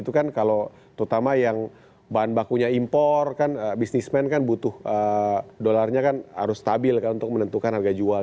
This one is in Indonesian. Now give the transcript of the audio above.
itu kan kalau terutama yang bahan bakunya impor kan bisnismen kan butuh dolarnya kan harus stabil kan untuk menentukan harga jual